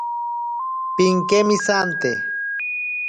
Pinkemesante.